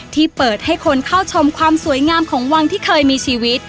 ที่เปิดให้คนเข้าชมความสวยงามของวังที่เคยมีชีวิต